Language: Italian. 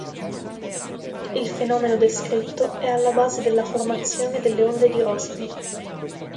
Il fenomeno descritto è alla base della formazione delle onde di Rossby.